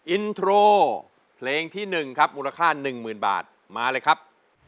อินโทรเพลงที่๑ครับมูลค่า๑๐๐๐บาทมาเลยครับ